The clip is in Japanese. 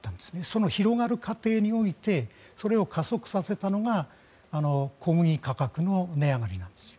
その広がる過程においてそれを加速させたのが小麦価格の値上がりなんです。